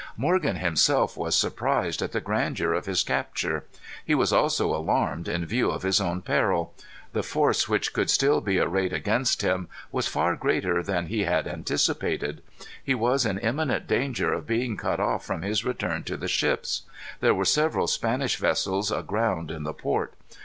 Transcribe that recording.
Morgan himself was surprised at the grandeur of his capture. He was also alarmed in view of his own peril. The force which could still be arrayed against him was far greater than he had anticipated. He was in imminent danger of being cut off from his return to the ships. There were several Spanish vessels aground in the port.